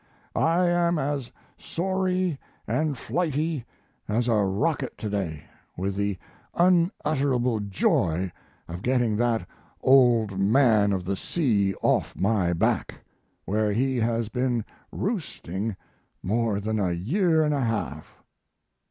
I am as soary (and flighty) as a rocket to day, with the unutterable joy of getting that Old Man of the Sea off my back, where he has been roosting more than a year and a half.